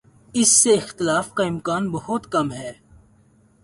اس سے اختلاف کا امکان بہت کم ہے۔